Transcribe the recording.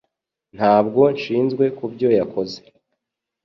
Ntabwo nshinzwe kubyo yakoze